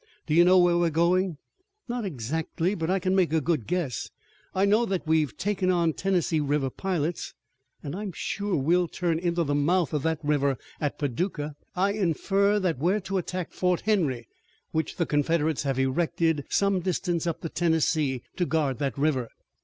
"Do you know where we're going?" "Not exactly, but I can make a good guess. I know that we've taken on Tennessee River pilots, and I'm sure that we'll turn into the mouth of that river at Paducah. I infer that we're to attack Fort Henry, which the Confederates have erected some distance up the Tennessee to guard that river."